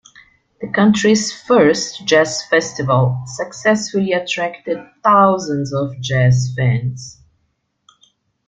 The country's first jazz festival successfully attracted thousands of jazz fans.